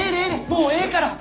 もうええから！